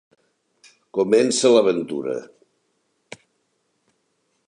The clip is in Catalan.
Comença l'aventura.